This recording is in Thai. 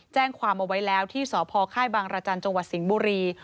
แจ้งความเอาไว้แล้วที่สพค่ายบางรจันทร์จังหวัดสิงห์บุรี